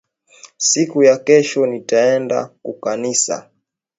Siku ya kesho nitaenda kukanisa